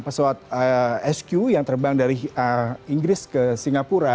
pesawat sq yang terbang dari inggris ke singapura